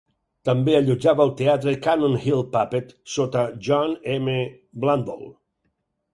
També allotjava el teatre Cannon Hill Puppet sota John M. Blundall.